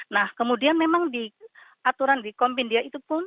nah kemudian memang di aturan di kombedia itu pun